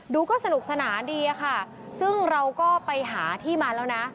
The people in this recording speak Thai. ดูก็สนุกสนานดีอะค่ะซึ่งเราก็ไปหาที่มาแล้วนะ